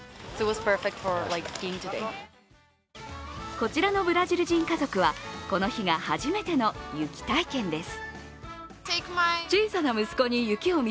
こちらのブラジル人家族はこの日が初めての雪体験です。